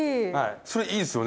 それいいですよね